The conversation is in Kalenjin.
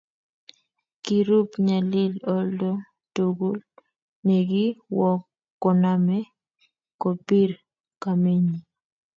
Kirub nyalil oldo togul ne ki wok koname kopir kamenyii